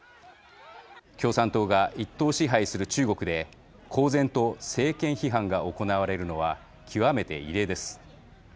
共産党が一党支配する中国で公然と政権批判が行われるのは極めて異例です。